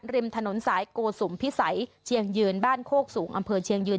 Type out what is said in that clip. ริมถนนสายโกสุมพิสัยเชียงยืนบ้านโคกสูงอำเภอเชียงยืน